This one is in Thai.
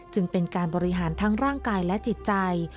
จึงเป็นการบริหารทั้งร่างกายและจิตใจ